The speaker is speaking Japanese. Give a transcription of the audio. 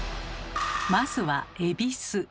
まずは恵比寿。